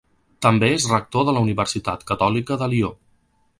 També és rector de la Universitat Catòlica de Lió.